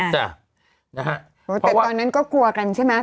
แต่ตอนนั้นก็กลัวกันใช่ไหม